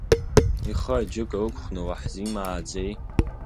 Ихы аџьыка ықәхны уаҳзимааӡеи.